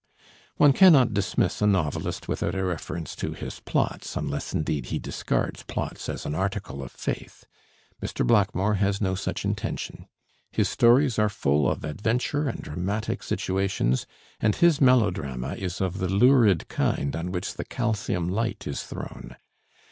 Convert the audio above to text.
One cannot dismiss a novelist without a reference to his plots, unless indeed he discards plots as an article of faith. Mr. Blackmore has no such intention. His stories are full of adventure and dramatic situations, and his melodrama is of the lurid kind on which the calcium light is thrown.